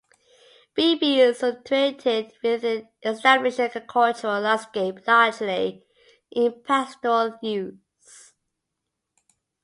Beeby is situated within an established agricultural landscape largely in pastoral use.